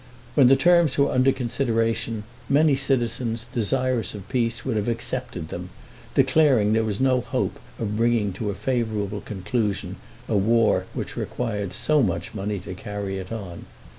When the terms were under consideration, many citizens, desirous of peace, would have accepted them, declaring there was no hope of bringing to a favorable conclusion a war which required so much money to carry it on.